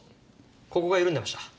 ここが緩んでました。